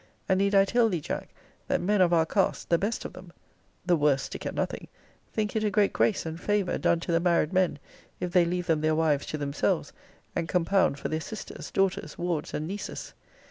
And need I tell thee, Jack, that men of our cast, the best of them [the worst stick at nothing] think it a great grace and favour done to the married men, if they leave them their wives to themselves; and compound for their sisters, daughters, wards and nieces?